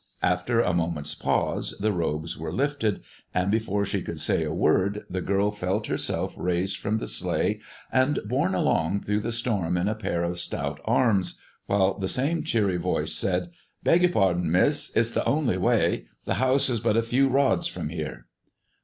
After a moment's pause, the robes were lifted, and before she could say a word the girl felt herself raised from the sleigh and borne along through the storm in a pair of stout arms, while the same cheery voice said: "Beg your pardon, miss, it's the only way. The house is but a few rods from here."